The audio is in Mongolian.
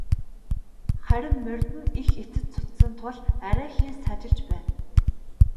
Харин морьд нь их эцэж цуцсан тул арайхийн сажилж байна.